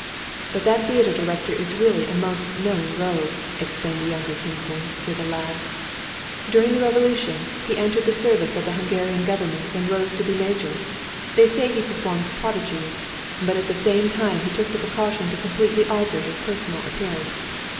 "But that theatre director is really a most knowing rogue," explained the younger kinsman, with a laugh. "During the Revolution, he entered the service of the Hungarian Government and rose to be major. They say he performed prodigies. But at the same time he took the precaution to completely alter his personal appearance.